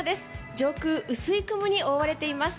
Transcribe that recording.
上空、薄い雲に覆われています。